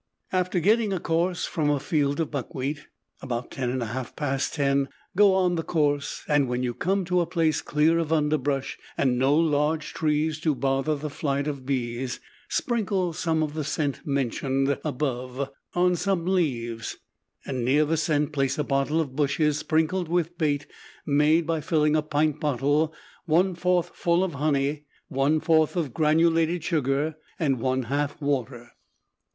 After getting a course from a field of buckwheat, about ten or half past ten go on the course, and when you come to a place clear of underbrush and no large trees to bother the flight of bees, sprinkle some of the scent mentioned above on some leaves and near the scent place a bunch of bushes sprinkled with bait made by filling a pint bottle one fourth full of honey, one fourth of granulated sugar and one half water.